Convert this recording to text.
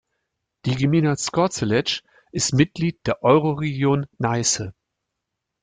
Die Gmina Zgorzelec ist Mitglied der Euroregion Neiße.